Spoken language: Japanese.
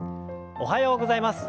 おはようございます。